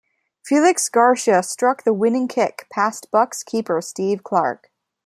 Felix Garcia struck the winning kick past Bucks keeper Steve Clark.